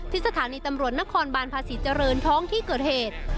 สถานีตำรวจนครบานภาษีเจริญท้องที่เกิดเหตุ